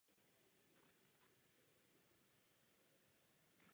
Jeho bratrem je hráč na klávesové nástroje Steve Miller.